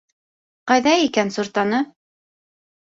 Ҡайҙа икән суртаны?